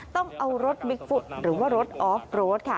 ต้องเอารถบิ๊กฟุตหรือว่ารถออฟโรดค่ะ